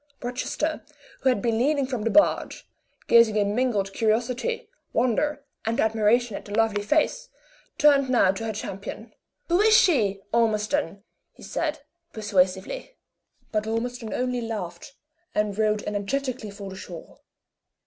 Rochester, who had been leaning from the barge, gazing in mingled curiosity, wonder, and admiration at the lovely face, turned now to her champion. "Who is she, Ormiston?" he said, persuasively. But Ormiston only laughed, and rowed energetically for the shore.